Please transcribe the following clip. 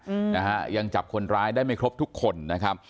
อืมนะฮะยังจับคนร้ายได้ไม่ครบทุกคนนะครับ